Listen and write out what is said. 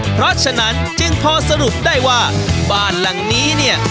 เพราะฉะนั้นจึงพอสรุปได้ว่าบ้านหลังนี้เนี่ย